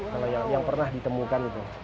kalau yang pernah ditemukan itu